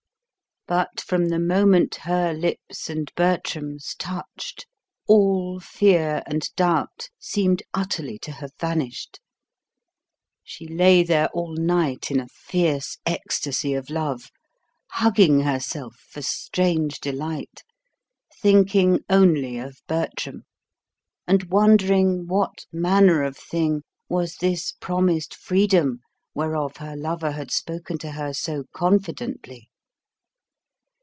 But from the moment her lips and Bertram's touched, all fear and doubt seemed utterly to have vanished; she lay there all night in a fierce ecstasy of love, hugging herself for strange delight, thinking only of Bertram, and wondering what manner of thing was this promised freedom whereof her lover had spoken to her so confidently.